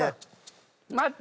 待って。